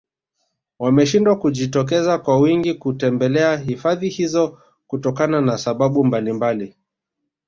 wameshindwa kujitokeza kwa wingi kutembelea hifadhi hizo kutokana na sababu mbalimbali